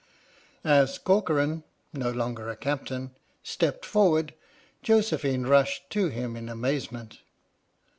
As Corcoran (no longer a captain) stepped for ward, Josephine rushed to him in amazement.